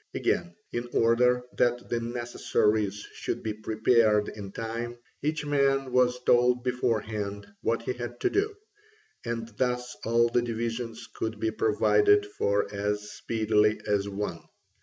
Again, in order that the necessaries should be prepared in time, each man was told beforehand what he had to do: and thus all the divisions could be provided for as speedily as one.